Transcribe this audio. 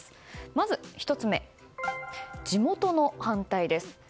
まず１つ目、地元の反対です。